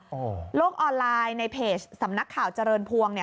โอ้โหโลกออนไลน์ในเพจสำนักข่าวเจริญพวงเนี่ย